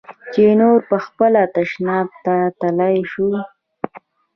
چې نور پخپله تشناب ته تلاى سوم.